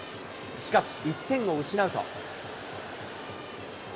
しかし、１点を失うと。